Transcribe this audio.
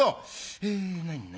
え何何？